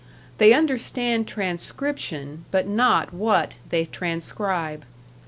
They understand transcription, but not what they transcribe.